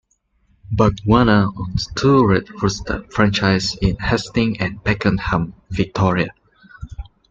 Bargwanna owns two Red Rooster franchises in Hastings and Pakenham, Victoria.